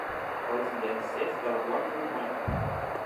Els Llancers de la Guàrdia Urbana.